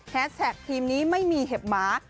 แท็กทีมนี้ไม่มีเห็บหมา